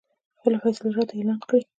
خپله فیصله راته اعلان کړي.